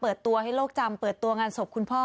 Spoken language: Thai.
เปิดตัวให้โลกจำเปิดตัวงานศพคุณพ่อ